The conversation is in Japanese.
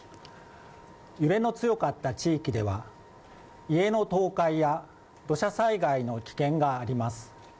揺れの強かった地域では家の倒壊や土砂災害の危険があります。